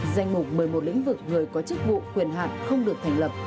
danh mục một mươi một lĩnh vực người có chức vụ quyền hạn không được thành lập